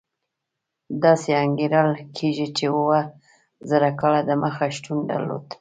داسې انګېرل کېږي چې اوه زره کاله دمخه شتون درلود.